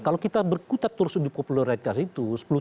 kalau kita berkutat terus di popularitas itu